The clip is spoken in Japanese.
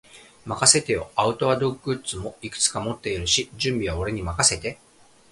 任せてよ。アウトドアグッズもいくつか持ってるし、準備は俺に任せて。